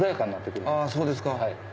あそうですか。